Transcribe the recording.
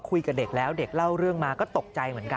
คุยกับเด็กแล้วเด็กเล่าเรื่องมาก็ตกใจเหมือนกัน